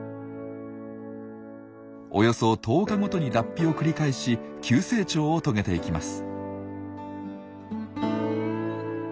およそ１０日ごとに脱皮を繰り返し急成長を遂げていきます。